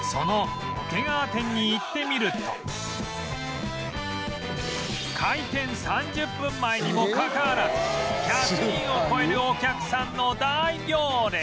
その開店３０分前にもかかわらず１００人を超えるお客さんの大行列